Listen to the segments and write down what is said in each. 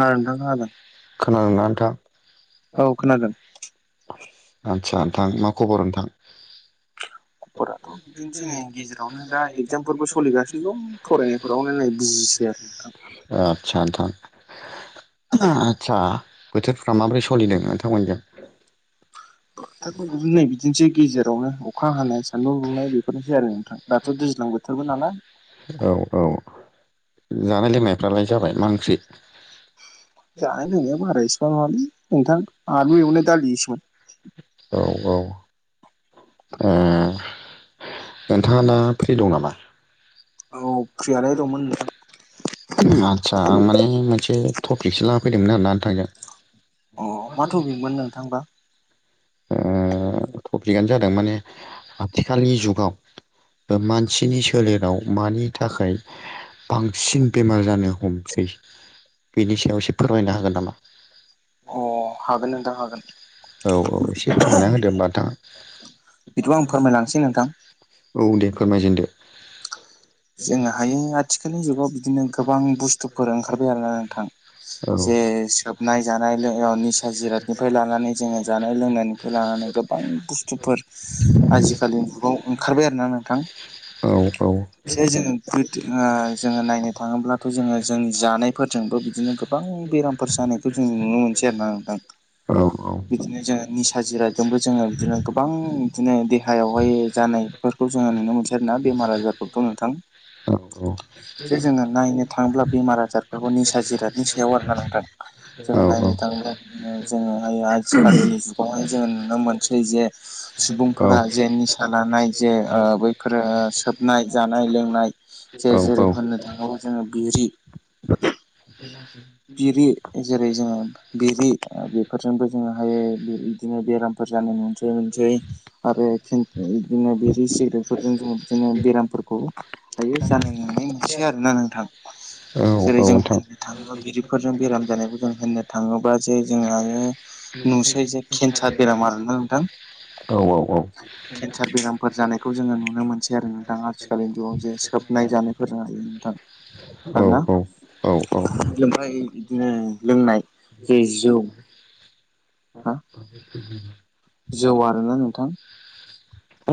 खोनादों नोंथां खोनादों खोनादोंना नोंथां? औ खोनादों आत्सा नोंथां मा खबर नोंथां? खबरा थ' बिदिनोसै नै गेजेरावनो दा एगजामफोरबो सोलिगासिनो दं फरायनायफोरावनो नै बिजिसै आरो नोंथां ओ आतसा नोंथां आतसा बोथोरफोरा माबोरै सोलिनायमोन नोंथांमोनजों? [unintelligible] बिदिनोसै गेजेरावनो अखा हानाय [inaudible] सान्दुं दुंनाय बेफोरनोसै आरो नोंथां दाथ' दैज्लां बोथोरबो नालाय औ औ जानाय लोंनायफ्रालाय जाबाय मा ओंख्रि? जानाय लोंनाया बारा इसेबां नङालै नोंथां आलु एवनाय दालि सोमोन औ औ ओ नोंथाङा मा फ्रि दं नामा? औ फ्रियालाय दंमोन नोंथां आतसा माने मोनसे थ फिक्स लाना फैदोंमोन आर ना नोंथांजों अ मा थफिकमोन नोंथांबा ओ टपिकआनो जादों माने आथिखालनि जुगाव मानसिनि सोलेराव मानि थाखाय बांसिन बेमार जानो हमसै बेनि सायाव एसे फोरमायनो हागोन नामा? अ हागोन नोंथां हागोन औ औ एसे फोरमायना होदो होमबा नोंथाङा बिदिबा आं फोरमायलांसै नोंथां औ दे फोरमायजेनदो जोङो हायो आथिखालनि जुगाव बिदिनो गोबां बुस्थुफोर ओंखारबाय आरोना नोंथां औ जे सोबनाय जानाय लो-ओ निसा जिरादनिफ्राय लानानै जोङो जानाय लोंनायनिफ्राय लाना नानै गोबां बुस्थुफोर आजिखालि जुगाव ओंखारबाय आरोना नोंथां औ औ जे जोङो गोदो ओ जोङो नायनो थाङोब्लाथ' जोङो जोंनि जानायफोरजोंबो बिदिनो गोबां बेरामफोर जानायखौ जों नुनो मोनसै आरो ना नोंथां औ बिदिनो जोङो निसा जिरायदोंबो जोङो बिदिनो गोबां बिदिनो देहायावहाय जानाय फोरखौ जोङो नुनो मोनसै आरोना बेमार आजार थां जे जोङो नायनो थाङोब्ला बेमार आजारफोरखौ निसा जिरादनि सायाव आरोना नोंथां। जोङो नायनो थाङोबा जोङोहायो आजिखलिनि जुगावहाय जोङो नुनो मोनसै जे सुबुंफोरा जे निसा लानाय जे ओ बैफोरो ओ सोब नाय जानाय लोंनाय जे औ जेरै होननो थाङोब्ला जोङो बिरि बिरि जेरै जोङो बिरि बेफोरजोंबो जोङोहायो बिदिनो बेरामफोर जानाय नुसै आरो बिदिनो बिरि सिग्रेटफोरजों जो बिदिनो बेरामफोरखौ दायो जानाय नुनाय मोनसै आरोना नोंथां। जेरै जों नोंथां होननो थाङोब्ला बिरि फोरजों बेराम जानायखौ जों होननो थाङोब्ला जे जोंहायो नुसै जे केन्सार बेरामार ना नोंथां औ औ औ औ केन्सार बेरामफोर जानायखौ जोङो नुनो मोनसै आरो दा आथिखालनि ज'गआव जे सोबनाय जानायफोर हायो नोंथां औ औ लोंबाय बिदिनो लोंनाय जेर जौ हा जौ आरोना नोंथां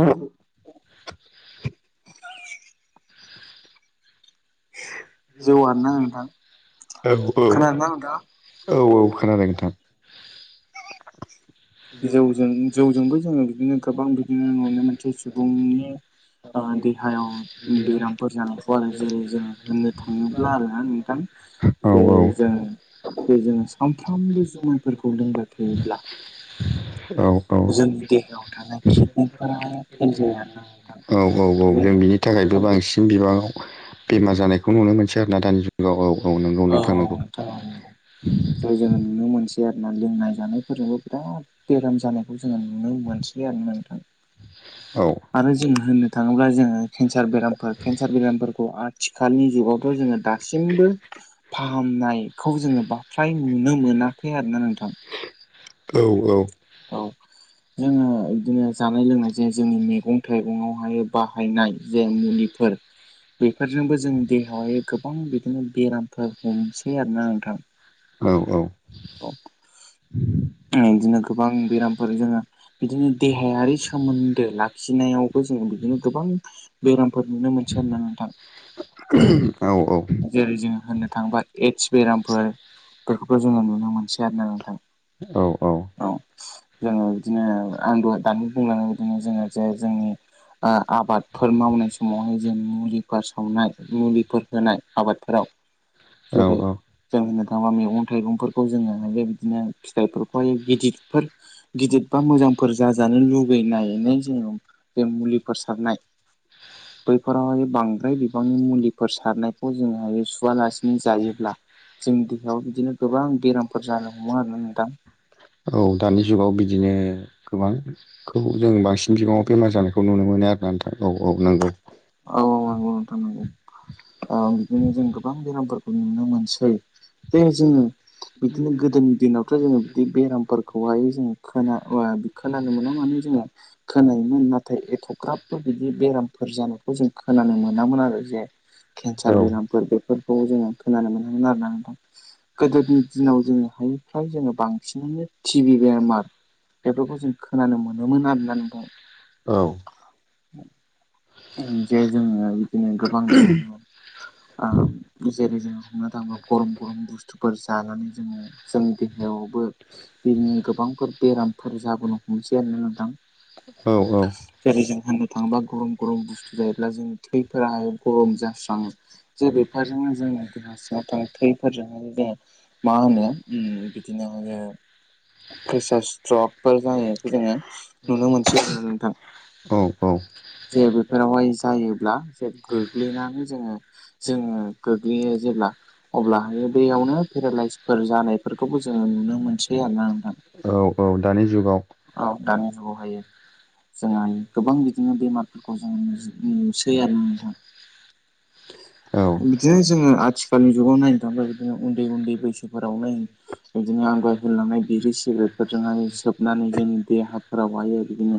[unintelligible] जौआनो नाङा औ खोनादोना नोंथां। औ औ खोनादों नोंथां। जौजों जौजोंबो जोङो बिदिनो गोबां बिदिनो नुनो मोनसे सुबुंनि देहायाव बेरामफोर जानायखौ आरो जेरै जोङो होननो थाङोब्ला आरोना नोंथां औ जे जों जे जोङो सानफ्रामबो जुमायफोरखौ लोंबाय थायोब्ला जोंनि देहायाव थानाय किडनिकफोर फेल जाया आरोना नोंथां। औ औ जे जों बिनि थाखायबो जों बे बांसिन बिबाङाव बेमार जानायखौ नुनो मोनसै आरोना दानि जुगाव नंगौ औ नोंथां औ नंगौ नोंथांंगौ जाय जोङो नुनो मोनसै जा लोंनाय जानायफोरजोंबो बिराद बेराम जानायखौ जोङो नुनो मोनसै आरो नोंथां औ आरो जों होननो थाङोब्ला जोङो केन्सार बेराम केन्सार बेरामफोरखौ आथिखालनि जे जोङो दासिमबो फाहामनायखौ जोङो बा फ्राय नुनो मोनाखै आरो औ औ जोङो बिदिनो जानाय लोंनाय जे जोंनि मैगं थाइगंआवहाय बाहायनाय जे मुलि बेफोरजोंबो जोंनि देहायावहाय गोबां बिदिनो बेरामफोर हमनोसै आरोना नोंथां औ औ औ बिदिनो गोबां बेरामफोर जोङो बिदिनो देहायारि सोमोन्दो लाखिनायावबो जों बिदिनो गोबां बेरामफोर नुनो मोनो से नोंथां औ जेरै जों होननो थाङोबा एद्स बेरामफोर बेफोरखौबो जोङो नुनो मोनसै आरोना नोंथां औ औ जोङो बिदिनो आं दानि बुंलाङो बिदिनो जोङो जे जोंनि आबादफोर मावनाय समावहाय जों मुलिफोर सावनाय मुलिफोर होनाय आबादफोराव औ जेरै औ जों होननो थाङोबा मैगं थाइगंफोरखौ जोङो बिदिनो फिथाइफोरखौ गिदिरफोर गिदिर बा मोजांफोर जाजानो लुगैनायनो जोङो बे मुलिफोर सारनाय बैफोरावहाय बांद्राय बिबांनि मुलिफोर सारनायखौ जोंहायो सुवालासिनो जायोब्ला जोंनि देहायाव बिदिनो गोबां बेरामफोर जानो हमो आरो नोंथां औ दानि जुगाव बिदिनो गोबांखौ जों बांसिन बिबाङाव बेमार जानायखौ नुनो मोनो आरोना नोंथां औ औ नंगौ। औ औ नंगौ नोंथां नंगौ औ बिदिनो जों गोबां बेरामफोरखौ नुनो मोनसै। दे जोङो बिदिनो गोदोनि दिनावथ' जोङो बिदि बेरामफोरखौहाय जों खोना ओ खोनानो मोना माने जोङो खोनायोमोन नाथाय एख'ग्राबबो बिदि बेरामफोर जानाय खौ जों खोनानो मोनामोन आरो जे केन्सार औ बेरामफोर बेफोरखौ जोङो खोनानो मोनोमोन आरोना। गोदोनि दिनाव जोङोहाय फ्राय जोङो बांसिनानो टि भि बेमार बेफोरखौ जों खोनानो मोनोमोन आरोना नोंथां औ जे जोङो बिदिनो गोबां ओ जेरै जोङो हमनो थाङोबा गरम गरम बुस्थुफोर जानानै जोङो जोंनि देह बेयावबो बिनिनो गोबांफोर बेरामफोर जाबोनो हमनोसै आरोना नोंथां औ जेरैजों होननो थाङोबा गरम गरम बुस्थु जायोब्ला जों थैफोराहाय गरम जास्राङो जे बेफोरजोंनो जोंनि देहा सिङाव गुथां थैफोरजों जोङो मा होनो उम बिदिनो हायो प्रेसार स्ट्रक फोर जानायखौ जोङो नुनो मोनसै आरोना नोंथां औ औ जे बेफोरावहाय जायोब्ला जे गोग्लैनानै जोङो जोङो गोग्लैयो जेब्ला अब्लाहायो बेयावनो पेरालाइसफोर जानायफोरखौबो जोङो नुनो मोनसै आरोना नोंथां औ औ दानि जुगाव औ दानि जुगावहायो जोंहानि गोबां बिदिनो बेमार जों नुजु-नुसै आरोंना नोंथां औ बिदिनो जोङो आथिखालनि जुगाव नायनो थाङोबा बिदिनो उन्दै उन्दै बैसोफोरावनो बिदिनो आं [unintelligible] लांनाय बिरि सिगारेटफोरजोंहाय सोबनानै जोंनि देहाफोरावहाय आरो बिदिनो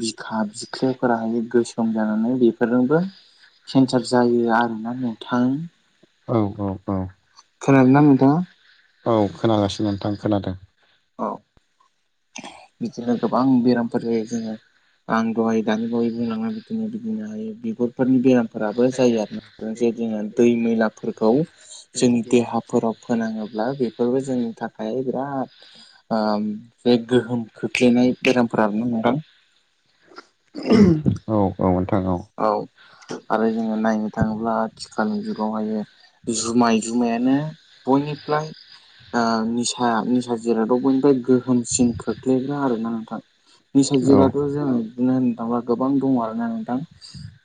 बिखा खा बिख्लोफोरा हायो गोसोम जानानै बेफोरजोंबो केन्सार जायो आरोना नोंथां औ औ औ खोनादोंना नोंथाङा? औ खोनागासिनो नोंथां खोनादों औ बिदिनो गोबां बेरामफोर जायो जोंङो आं दहाय दानि बावै बुंलांनाय बिदिनो बिदिनो हायो बिगुरफोरनि बेरामफोराबो जायो आरोना जेरै जोङो दै मैलाफोरखौ जोंनि देहाफोराव फोनाङोब्ला बेफोरबो जोंनि थाखाय बिराद ओ बे गोहोम खोख्लैनाय बेरामफोराबो ना नोंथां? औ औ नोंथां औ आरो जोङो नायनो थाङोब्ला आथिखालनि जुगावहायो जुमाय जुमायानो बयनिफ्राय ओ निसा निसा जिरादाव बयनिफ्राय गोहोमसिन खोख्लैग्रा आरोना नोंथां निसा औ जिराथ जोंङो बिदिनो होन्नो थांङोबा गोबां दङ आरोना नोंथां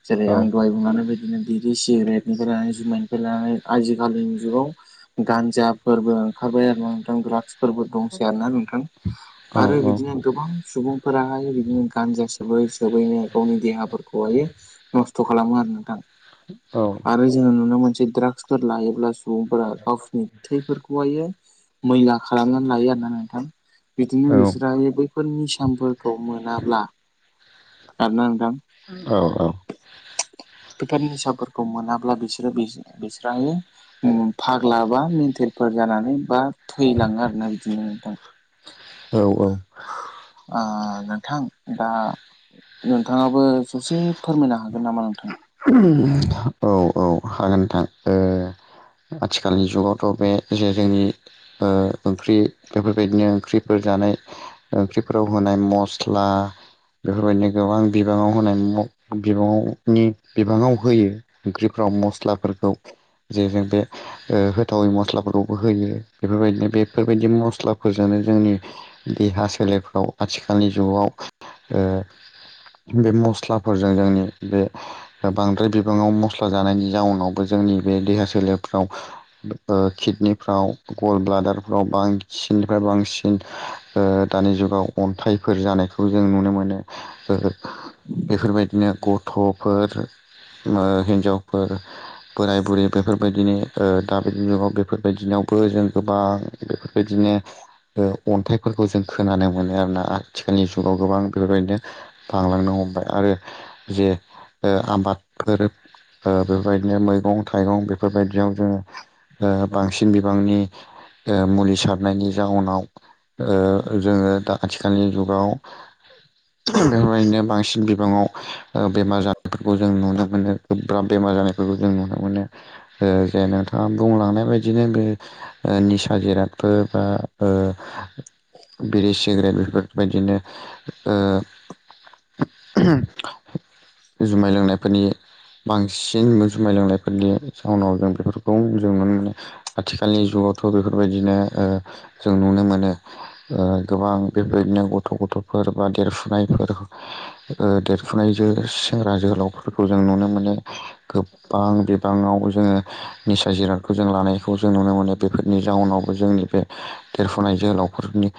जेरै औ औ आं दहाय बुंलांनाय बायदिनो बिरि सिगारेटनिफ्राय जुमायनिफ्राय लानानै आजिखालिनि जुगाव गान्जाफोरबो ओंखारबाय आरो ना नोंथां द्राग्सफोरबो दंसै आरोना नोंथां आरो बिदिनो गोबां सुबुंफोराहाय बिदिनो गान्जा सोबै सोबैनो गावनि देहाफोर खौहायो नस्थ खालामो आरो नोंथां आरो जोङो नुनो मोनसै द्राग्सफोर लायोब्ला सुबुंफोरा गावसोरनि थैफोरखौहायो मैला खालामनानै लायो आरोना नोंथां बिदिनो बिसोरा ओइ बैफोर निसाफोरखौ मोनाब्ला खोनादोना नोंथां? औ बेफोर निसाफोरखौ मोनाब्ला बिस्रोरो बिस्रा-बिस्रानि फाग्ला बा मेनटेन फोर जानानै बा थैलाङो आरोना बिदिनो नोंथां औ ओ नोंथां दा नोंथाङाबो ससे फोरमायनो हागोन नामा नोंथां? हागोन नोंथां ओ आथिखालनि जुगावथ बे जे जोंनि ओ ओंख्रि बेफोरबायदिनो ओंख्रिफोर जानाय ओंख्रिफोराव होनाय मस्ला बेफोरबायदिनो गोबां बिबाङाव होनाय म बिबाङावनि बिबाङाव होयो ओंख्रिफ्राव मस्लाफोरखौ जे जों बे ओ होथावि मस्लाफोरखौ होयो बेफोरबायदिनो बेफोरबायदि मस्लाफोरजोंनो जोंनि देहा सोलेरफ्राव आथिखालनि जुगाव ओ बे मस्लाफोरजों जोंनि बे बांद्राय बिबाङाव मस्ला जानायनि जाउनाव जोंनि बे देहा सोलेरफ्राव ओ किडनिफ्राव गल्ड ब्लादार फ्राव बांसिननिफ्राय बांसिन अ दानि जुगाव अन्थाइफोर जानायखौ जों नुनो मोनो। बेफोरबायदिनो गथ'फोर ओ हिन्जावफोर बोराय बुरै बेफोरबायदिनो अ दा बे जुगाव बे बेफोरबायदिनावबो जों गोबां बेफोरबायदिनो अ अन्थाइफोरखौ जों खोनानो मोनो आरोना आथिखालनि जुगाव गोबां बेफोरबायदिनो बांलांनो हमबाय आरो जे ओ आबादफोर अ बेफोरबायदिनो मैगं थाइगं बेफोरबायदियाव जोङो- अ बांसिन बिबांनि ओ मुलि सारनायनि जाउनाव ओ जोङो दा आथिखालनि जुगाव बेबायनो बांसिन बिबाङाव बेमार जानायफोरखौ जों नुनो मोनो ।गोब्राब बेमार जानायफोरखौ जों नुनो मोनो जे नोंथाङा बुंलांनाय बायदिनो बे अ निसा जिरादफोर बा ओ बिरि सिगारेट बेफोरबायदिनो ओ जुमाय लोंनायफोरनि बांसिन मोन जुमाय लोंनायफोरनि जाहोनाव जों बेफोरखौ जों नुनो मोनो आथिखालनि जुगावथ' बेफोर बेबायदिनो ओ जों नुनो मोनो अ गोबां बेबायदिनो गथ' गथ'फोर बा देरफुनायफोर अ देरफुनायजों सेंग्रा जोहोलावफोरखौ जों नुनो मोनो। गोबां बिबाङाव जोङो निसा जिरादखौ जों लानायखौ जों नुनो मोनो बेफोरनि। जाउनावबो जोंनि बे देरफुनाय जोहोलावफोरनि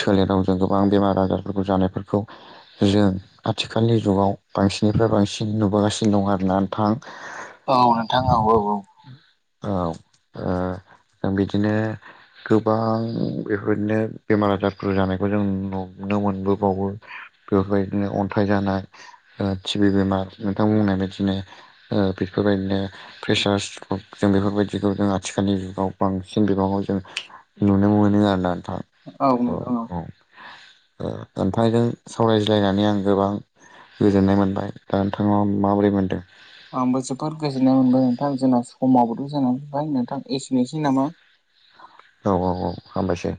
सोलेराव जों गोबां बेमार आजार फोर जानायफोरखौ जों आथिखाल खालनि जुगाव बांसिननिफ्राय बांसिन नुबोगासिनो दं आरोना नोंथां। औ नोंथां औ औ औ औ ओ जों बिदिनो। गोबां बेफोरदिनो बेमार आजारफोर जानायखौ जों नुनो मोनबोबावो। बेफोरबायदिनो अन्थाइ जानाय ओ टिबि बेमार नोंथां बुंनाय बायदिनो ओ बेफ बेफोरबायदिनो प्रेसार्स जों बेफोरबायदिखौ जों आथिखालनि जुगाव बांसिन बिबांआव जों नुनो मोनो आरोना नोंथां। औ नोंथां औ। अ ओनथांजों सावरायज्लायनानै आं गोबां गोजोननाय मोनबाय दा नोंथाङा माबोरै मोनदों? आंबो जोबोद गोजोननाय मोनबाय नोंथां जोंना समावबोथ' जानानै फबाय नोंथां एसेनोसै नामा। औ औ औ हामबायसै।